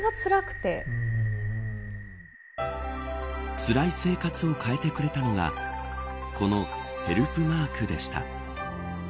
つらい生活を変えてくれたのがこのヘルプマークでした。